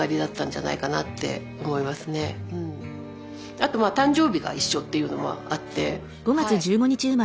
あと誕生日が一緒っていうのもあってはい。